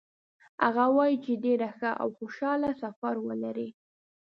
هغه وایي چې ډېر ښه او خوشحاله سفر ولرئ.